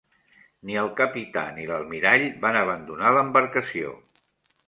Ni el capità ni l'almirall van abandonar l'embarcació.